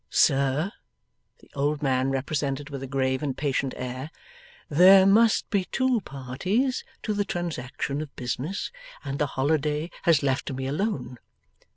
'Sir,' the old man represented with a grave and patient air, 'there must be two parties to the transaction of business, and the holiday has left me alone.